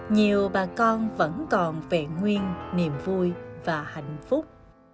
nhiều bà con vẫn còn vẹn nguyên niềm vui và hạnh phúc